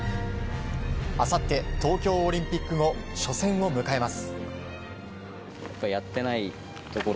あさって、東京オリンピック後初戦を迎えます。